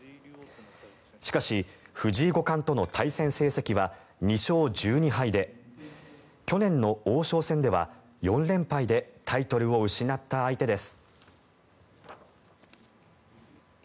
しかし、藤井五冠との対戦成績は２勝１２敗で去年の王将戦では４連敗でタイトルを失った相手です。